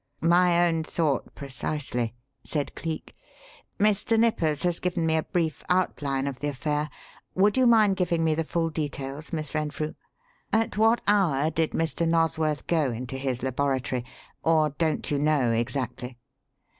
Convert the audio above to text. "My own thought precisely," said Cleek. "Mr. Nippers has given me a brief outline of the affair would you mind giving me the full details, Miss Renfrew? At what hour did Mr. Nosworth go into his laboratory? Or don't you know, exactly?"